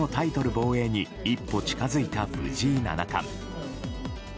防衛に一歩近づいた藤井七冠。